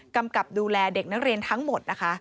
กำกับดูแลเด็กนักเรียนทั้งหมดนะคะ